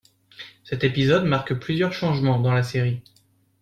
Cet épisode marque plusieurs changements dans la série.